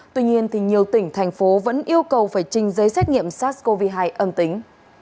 tuy nhiên nhiều tỉnh thành phố vẫn yêu cầu phải trình giấy xét nghiệm sars cov hai âm tính